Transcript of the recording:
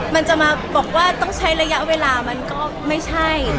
มันจะมาบอกว่าต้องใช้ระยะเวลามันก็ไม่ใช่